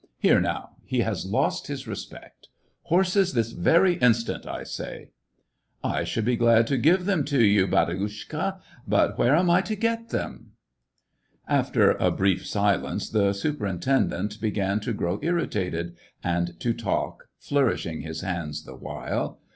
Here, now, he has lost his respect. Horses this very instant, I say !"" I should be glad to give them to you, bdti Mshka,^ but where am I to get them }" After a brief silence, the superintendent began to grow irritated, and to talk, flourishing his hands the while.